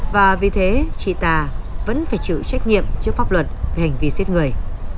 và vì thế chị ta vẫn phải chữ trách nhiệm trước pháp luật về hành vi giết người